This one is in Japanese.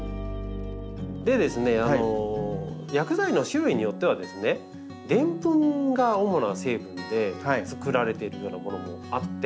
で薬剤の種類によってはですねでんぷんが主な成分でつくられているようなものもあって。